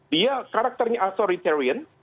dia karakternya authoritarian